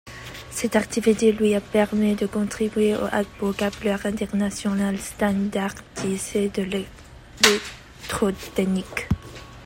Cette activité lui a permis de contribuer au vocabulaire international standardisé de l'électrotechnique.